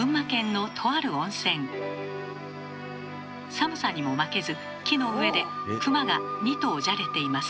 寒さにも負けず木の上で熊が２頭じゃれています。